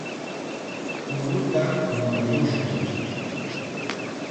¡Puruta murumushun!